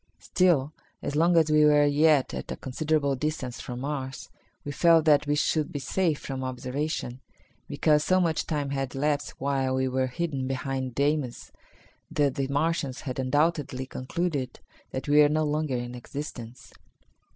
Still, as long as we were yet at a considerable distance from Mars, we felt that we should be safe from observation, because so much time had elapsed while we were hidden behind Deimos that the Martians had undoubtedly concluded that we were no longer in existence.